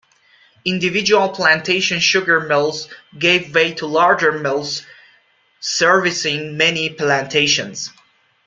Individual plantation sugar mills gave way to larger mills servicing many plantations.